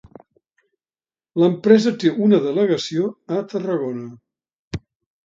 L'empresa té una delegació a Tarragona.